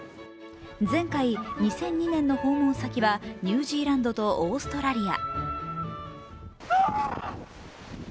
前回２００２年の訪問先はニュージーランドとオーストラリア。